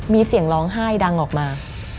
มีเสียงร้องไห้ดังออกมา